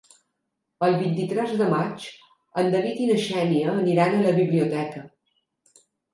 El vint-i-tres de maig en David i na Xènia aniran a la biblioteca.